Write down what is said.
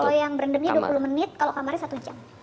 kalau yang brendamnya dua puluh menit kalau kamarnya satu jam